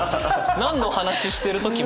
何の話してる時も。